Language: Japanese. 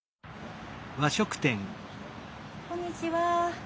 こんにちは。